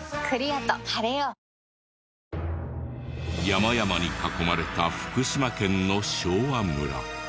山々に囲まれた福島県の昭和村。